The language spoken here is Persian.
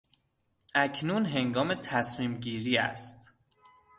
اکنون هنگام تصمیم گیری است.